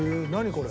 これ。